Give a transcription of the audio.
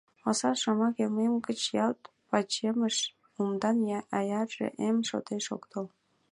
Осал шомак йылмем гыч — ялт пачемыш, — умдан, аярже эм шотеш ок тол.